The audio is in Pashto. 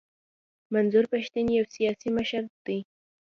منظور پښتین یو سیاسي مشر دی.